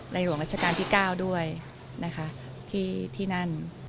ในหลวงราชการที่เก้าด้วยนะคะที่ที่นั่น